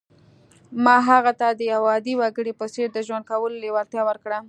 ما هغه ته د یوه عادي وګړي په څېر د ژوند کولو لېوالتیا ورکړه